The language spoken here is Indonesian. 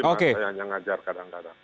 saya hanya ngajar kadang kadang